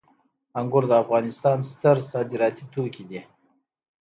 انګور د افغانستان ستر صادراتي توکي دي